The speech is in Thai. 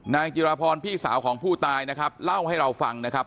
จิราพรพี่สาวของผู้ตายนะครับเล่าให้เราฟังนะครับ